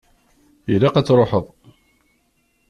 Ilaq ad tṛuḥeḍ.